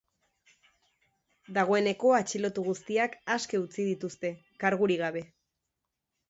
Dagoeneko atxilotu guztiak aske utzi dituzte, kargurik gabe.